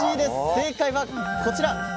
正解はこちら。